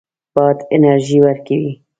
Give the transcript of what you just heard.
باد انرژي ورکوي.